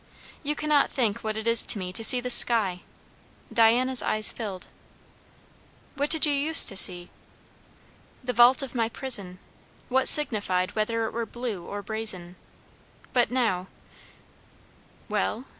You cannot think what it is to me to see the sky." Diana's eyes filled. "What did you use to see?" "The vault of my prison. What signified whether it were blue or brazen? But now" "Well?